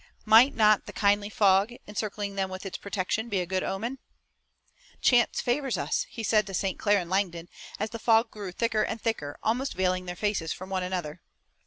Might not the kindly fog, encircling them with its protection, be a good omen? "Chance favors us," he said to St. Clair and Langdon, as the fog grew thicker and thicker, almost veiling their faces from one another.